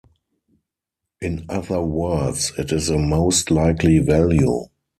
In other words, it is a most likely value.